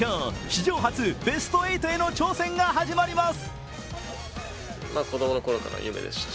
史上初ベスト８への挑戦が始まります。